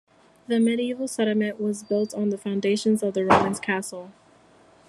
The medieval settlement was built on the foundations of the Roman castle.